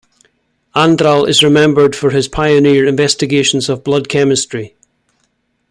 Andral is remembered for his pioneer investigations of blood chemistry.